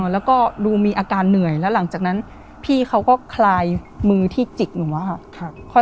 แล้วก็ดูมีอาการเหนื่อยแล้วหลังจากนั้นพี่เขาก็คลายมือที่จิกหนูอะค่ะ